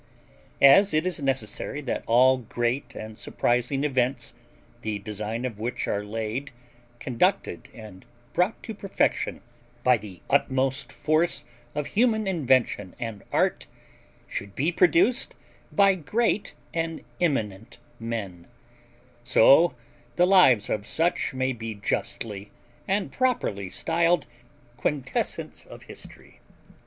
As it is necessary that all great and surprising events, the designs of which are laid, conducted, and brought to perfection by the utmost force of human invention and art, should be produced by great and eminent men, so the lives of such may be justly and properly styled the quintessence of history.